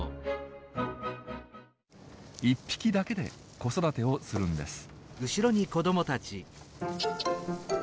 一匹だけで子育てをするんです。